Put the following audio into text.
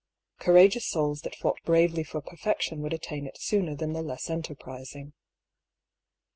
Courageous souls that fought bravely for perfection would attain it sooner than the less enterprising.